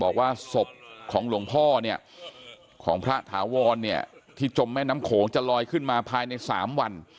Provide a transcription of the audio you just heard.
บอกว่าศพของหลวงพ่อเนี่ยของพระถาวรเนี่ยที่จมแม่น้ำโขงจะลอยขึ้นมาภายใน๓วัน